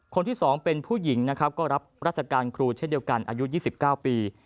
คนที่๒เป็นผู้หญิงนะครับก็รับราชการครูเช่นเดียวกันอายุ๒๙ปี